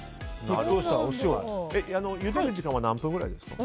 ゆでる時間は何分ぐらいですか？